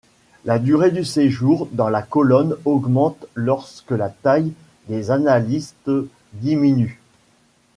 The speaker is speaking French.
La durée de séjour dans la colonne augmente lorsque la taille des analytes diminue.